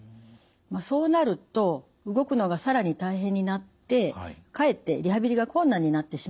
そうなると動くのが更に大変になってかえってリハビリが困難になってしまいます。